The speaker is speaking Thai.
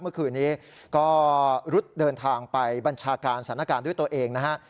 เมื่อคืนนี้ก็รุดเดินทางไปบัญชาการสถานการณ์ด้วยตัวเองนะฮะ